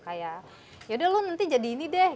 kayak ya udah lo nanti jadi ini deh